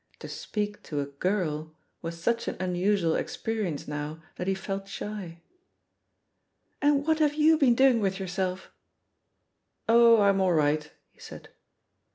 To speak to a girl was such an unusual experi* ence now that he felt shy. "And what have you been doing with your self?'^ "Oh, I'm all right, he said.